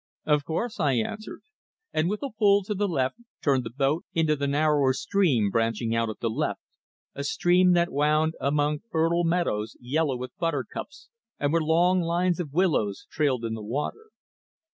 "Of course," I answered, and with a pull to the left turned the boat into the narrower stream branching out at the left, a stream that wound among fertile meadows yellow with buttercups, and where long lines of willows trailed in the water.